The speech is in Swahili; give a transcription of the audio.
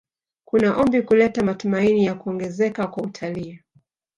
Kuna ombi kuleta matumaini ya kuongezeka kwa utalii